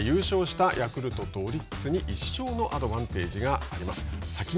優勝したヤクルトとオリックスに１勝のアドバンテージがあります。